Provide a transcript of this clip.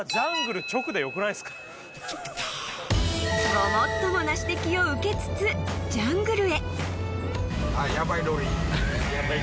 ［ごもっともな指摘を受けつつジャングルへ］